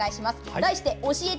題して教えて！